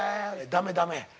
「ダメダメ」。